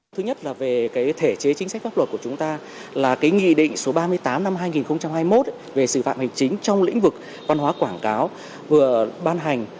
thứ nhất là về thể chế chính sách pháp luật của chúng ta là cái nghị định số ba mươi tám năm hai nghìn hai mươi một về xử phạt hành chính trong lĩnh vực văn hóa quảng cáo vừa ban hành